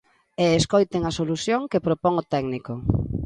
E escoiten a solución que propón o técnico.